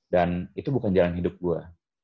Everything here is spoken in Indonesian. dan itu bukan jalan hidup gue